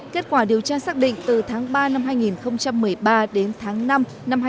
kết quả điều tra xác định từ tháng ba năm hai nghìn một mươi ba đến tháng năm năm hai nghìn một mươi chín